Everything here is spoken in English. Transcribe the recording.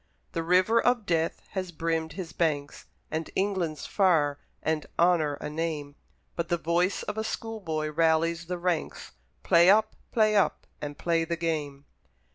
The river of death has brimmed his banks, And England's far, and Honour a name, But the voice of a school boy rallies the ranks: "Play up! play up! and play the game!"